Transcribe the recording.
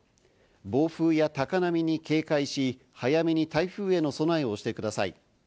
暴風や高波に警戒し、早めに台風への備えをしてください。